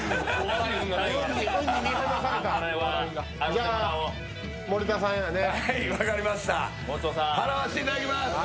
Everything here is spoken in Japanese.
じゃあ森田さんやね。